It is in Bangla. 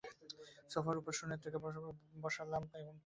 সোফার উপরে সুনেত্রাকে বসালেম আমার পাশে।